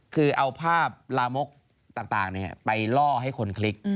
คือเอาภาพลามกต่างไปล่อให้คนคลิก